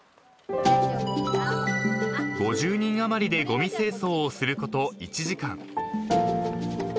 ［５０人余りでごみ清掃をすること１時間］